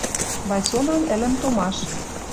Вайсонан ӹлӹм томаш: